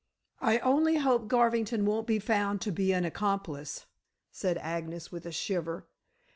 "I only hope Garvington won't be found to be an accomplice," said Agnes, with a shiver.